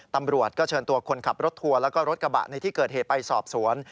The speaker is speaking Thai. ตำรวจก็เชิญตัวคนขับรถทัวร์แล้วก็รถกระบะในที่เกิดเหตุไปสอบสวน